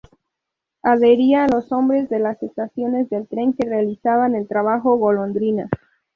Adhería a los hombres de las estaciones de tren que realizaban el trabajo golondrina.